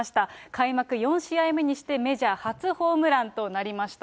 開幕４試合目にしてメジャー初ホームランとなりました。